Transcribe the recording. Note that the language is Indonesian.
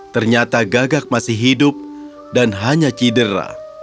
ternyata gagak masih hidup dan hanya cedera